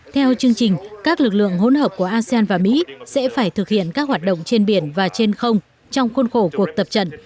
theo chương trình các lực lượng hỗn hợp của asean và mỹ sẽ phải thực hiện các hoạt động trên biển và trên không trong khuôn khổ cuộc tập trận